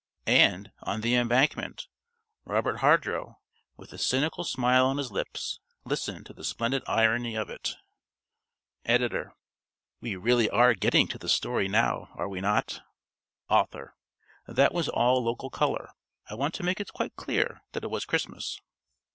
And, on the Embankment, Robert Hardrow, with a cynical smile on his lips, listened to the splendid irony of it. (~Editor.~ We really are getting to the story now, are we not? ~Author.~ _That was all local colour. I want to make it quite clear that it was Christmas.